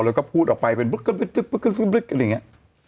แล้วก็พูดออกไปเป็นปลึกเหมือนอย่างนี้